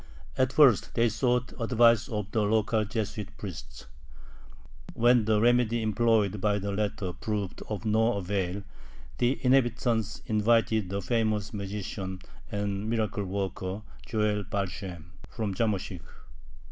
At first they sought advice of the local Jesuit priests. When the remedy employed by the latter proved of no avail, the inhabitants invited the famous magician and miracle worker Joel Baal Shem from Zamoshch.